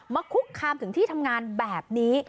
คุกคามถึงที่ทำงานแบบนี้